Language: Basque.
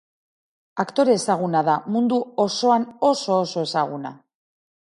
Aktore ezaguna da, mundu osoan oso-oso ezaguna.